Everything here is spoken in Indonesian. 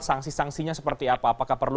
sanksi sanksinya seperti apa apakah perlu